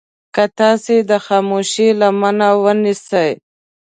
که تاسې د خاموشي لمنه ونيسئ.